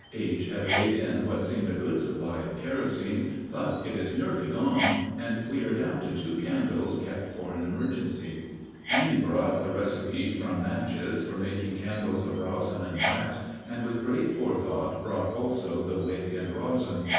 H. had laid in what seemed a good supply of kerosene, but it is nearly gone, and we are down to two candles kept for an emergency. Annie brought a receipt from Natchez for making candles of rosin and wax, and with great forethought brought also the wick and rosin.